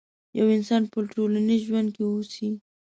يو انسان په ټولنيز ژوند کې اوسي.